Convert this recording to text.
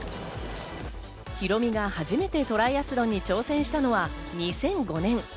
ヒロミが初めてトライアスロンに挑戦したのは２００５年。